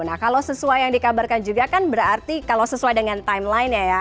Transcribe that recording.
nah kalau sesuai yang dikabarkan juga kan berarti kalau sesuai dengan timeline nya ya